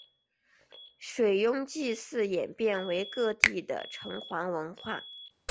水庸祭祀演变为各地的城隍文化。